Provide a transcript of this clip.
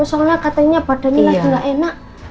soalnya katanya badannya lagi gak enak